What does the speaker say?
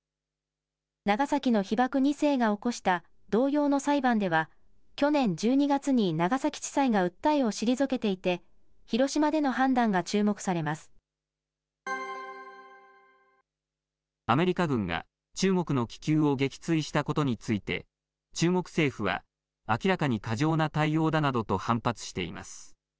長崎の被爆２世が起こした同様の裁判では、去年１２月に長崎地裁が訴えを退けていて、広島での判アメリカ軍が、中国の気球を撃墜したことについて、中国政府は、明らかに過剰な対応だなどと反発しています。